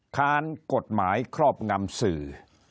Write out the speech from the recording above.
ค้านกฎหมายครอบงำสื่อ